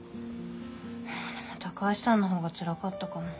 いやでも高橋さんの方がつらかったかも。